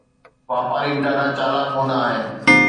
واپاري به ڏاڍا چالاڪ هوندا آهن.